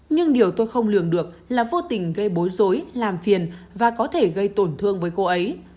nhưng điều tôi không lường được là vô tình gây bối rối làm phiền và có thể gây tổn thương với cô ấy